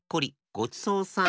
ごちそうさん。